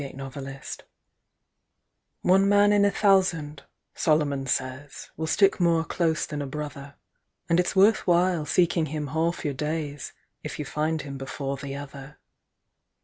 The Thousandth Man ONE man in a thousand, Solomon says, Will stick more close than a brother. And it's worth while seeking him half your daysIf you find him before the other.